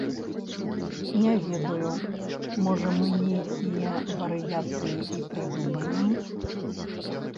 Не ведаю, можа, мы нейкія варыяцыі і прыдумаем.